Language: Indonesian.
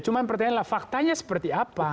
cuma pertanyaannya faktanya seperti apa